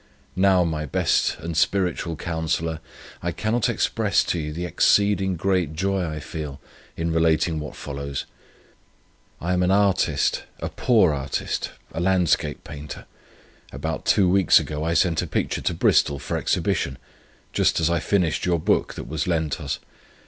Now, my best and spiritual counsellor, I cannot express to you the exceeding great joy I feel, in relating what follows. I am an artist, a poor artist, a landscape painter. About two weeks ago I sent a picture to Bristol for exhibition, just as I finished your book that was lent us.